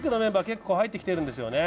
結構入ってきてるんですよね。